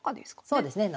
そうですね。